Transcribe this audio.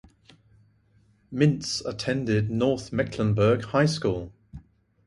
Mintz attended North Mecklenburg High School.